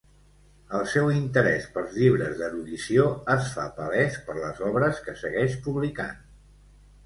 El seu interès pels llibres d'erudició es fa palès per les obres que segueix publicant.